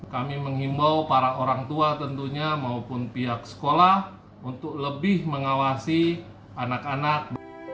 kami menghimbau para orang tua tentunya maupun pihak sekolah untuk lebih mengawasi anak anak